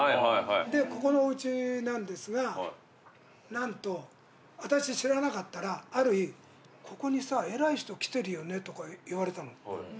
でここのおうちなんですが何と私知らなかったらある日「ここに偉い人来てるよね」とか言われたの。